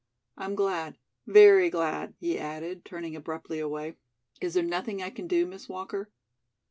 "I'm glad, very glad," he added, turning abruptly away. "Is there nothing I can do, Miss Walker?"